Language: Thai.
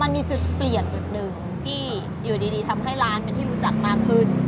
มันมีจุดเปลี่ยนจุดหนึ่งที่อยู่ดีทำให้ร้านเป็นที่รู้จักมากขึ้น